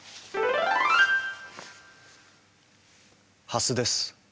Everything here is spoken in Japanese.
ハスです。